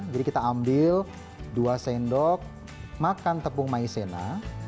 jadi kita ambil dua sendok makan tepung maizena